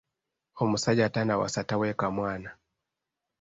Omusajja atannawasa taweeka mwana.